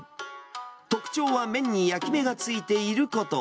特徴は麺に焼き目がついていること。